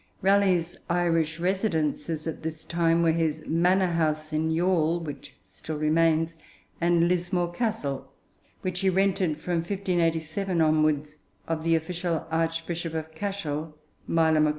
Raleigh's Irish residences at this time were his manor house in Youghal, which still remains, and Lismore Castle, which he rented, from 1587 onwards, of the official Archbishop of Cashel, Meiler Magrath.